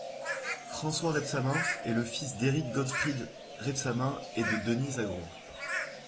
François Rebsamen est le fils d'Eric Gottfried Rebsamen et de Denise Agron.